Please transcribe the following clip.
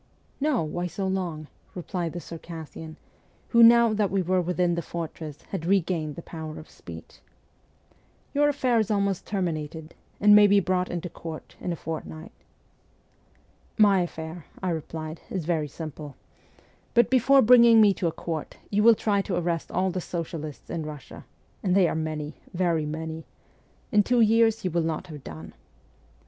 No, why so long ?' replied the Circassian who, now that we were within the fortress, had regained the power of speech. 'Your affair is almost ter minated, and may be brought into court in a fort night.' ' My affair,' I replied, ' is very simple ; but before bringing me to a court you will try to arrest all the socialists in Russia, and they are many, very many ; in two years you w r ill not have done.'